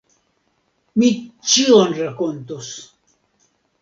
Mi ĉion rakontos!